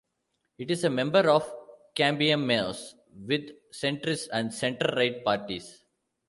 It is a member of Cambiemos with centrist and centre-right parties.